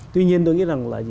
tuy nhiên tôi nghĩ rằng là